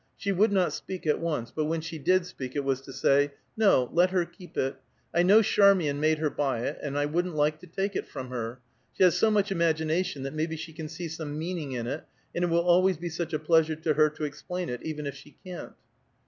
She would not speak at once, but when she did speak, it was to say, "No, let her keep it. I know Charmian made her buy it and I wouldn't like to take it from her. She has so much imagination that maybe she can see some meaning in it and it will always be such a pleasure to her to explain it even if she can't."